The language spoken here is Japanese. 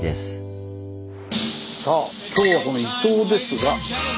さあ今日はこの伊東ですが。